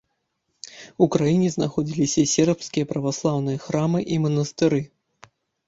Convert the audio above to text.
У краіне знаходзіліся сербскія праваслаўныя храмы і манастыры.